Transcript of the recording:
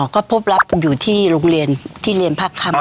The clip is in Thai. ก็พบรับอยู่ที่โรงเรียนที่เรียนพักคำ